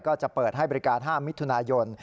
ก็จะเปิดให้บริการ๕มิถุนายน